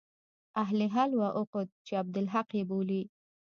اهل حل و عقد چې عبدالحق يې بولي.